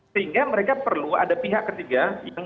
sehingga mereka perlu ada pihak ketiga yang